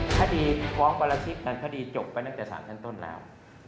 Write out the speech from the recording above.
ถ้าดีภวามกรรณชิตกันจบไปกรณ์จากศาลขั้นต้นแล้ว